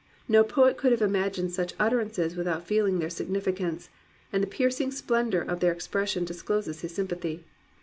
No poet could have imagined such utterances without feeling their significance; and the piercing splendour of their expression discloses his sympathy.